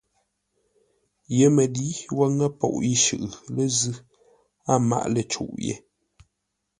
YƏMƏLǏ wo ŋə́ poʼ yi shʉʼʉ lə́ zʉ́, a máʼ lə̂ cûʼ yé.